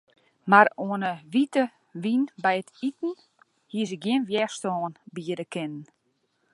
Mar oan 'e wite wyn by it iten hie se gjin wjerstân biede kinnen.